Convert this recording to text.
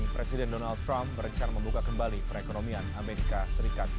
presiden donald trump berencana membuka kembali perekonomian amerika serikat